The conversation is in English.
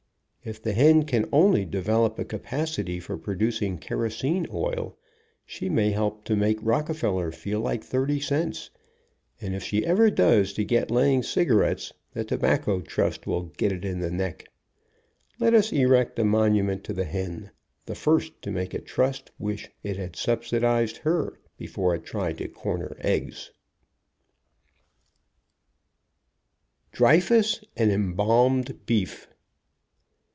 If the hen can only develop a capacity for producing kerosene oil, she may help to make Rocke feller feel like thirty cents, and if she ever does get to laying cigarettes, the tobacco trust will get it in 94 DREYFUS AND EMBALMED BEEF the neck. Let us erect a monument to the hen, the first to make a trust wish it had subsidized her before it tried to corner eggs. DREYFUS AND EMBALMED BEEF.